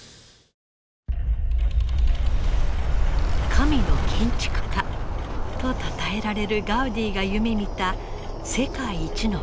「神の建築家」とたたえられるガウディが夢みた世界一の教会。